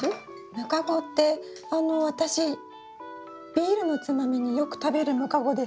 ムカゴってあのビールのつまみによく食べるムカゴですか？